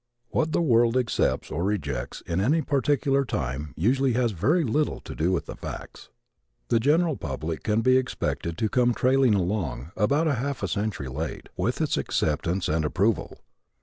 What the world accepts or rejects at any particular time usually has very little to do with the facts. The general public can be expected to come trailing along, about a half century late, with its acceptance and approval.